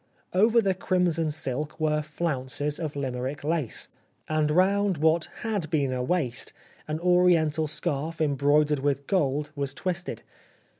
Over the crimson silk were flounces of Limerick lace, and round what had been a waist an Oriental scarf embroidered with gold was twisted.